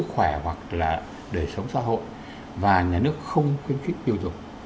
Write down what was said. hoặc là để sống xã hội và nhà nước không khuyến khích tiêu dùng